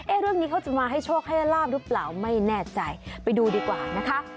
เรื่องนี้เขาจะมาให้โชคให้ลาบหรือเปล่าไม่แน่ใจไปดูดีกว่านะคะ